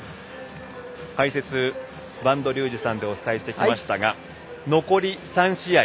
解説、播戸竜二さんでお伝えしてきましたが残り３試合。